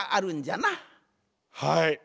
はい。